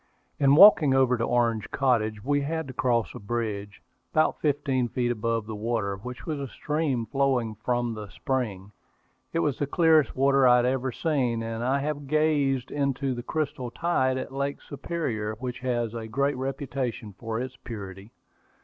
In walking over to Orange Cottage we had to cross a bridge, about fifteen feet above the water, which was a stream flowing from the spring. It was the clearest water I had ever seen, and I have gazed into the crystal tide of Lake Superior, which has a great reputation for its purity.